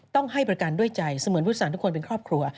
ต้องให้ประกันด้วยใจเสมือนผู้โดยสารทุกคนเป็นครอบครัว